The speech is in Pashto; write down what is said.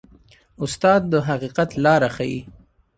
استاد د حقیقت لاره ښيي.